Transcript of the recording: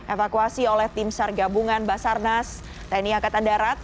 evakuasi oleh tim sargabungan basarnas tni angkatan darat